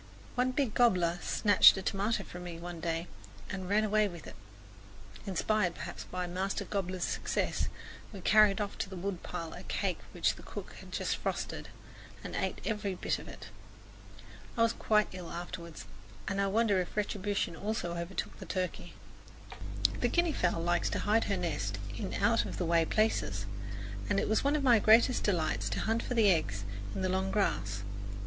One big gobbler snatched a tomato from me one day and ran away with it. Inspired, perhaps, by Master Gobbler's success, we carried off to the woodpile a cake which the cook had just frosted, and ate every bit of it. I was quite ill afterward, and I wonder if retribution also overtook the turkey. The guinea fowl likes to hide her nest in out of the way places, and it was one of my greatest delights to hunt for the eggs in the long grass.